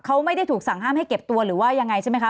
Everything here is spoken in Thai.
เขาไม่ได้ถูกสั่งห้ามให้เก็บตัวหรือว่ายังไงใช่ไหมคะ